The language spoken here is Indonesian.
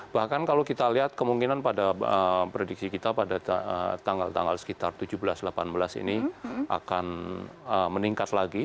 bahkan kalau kita lihat kemungkinan pada prediksi kita pada tanggal tanggal sekitar tujuh belas delapan belas ini akan meningkat lagi